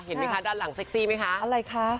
เห็นไหมคะด้านหลังเซ็กซี่มั้ยคะ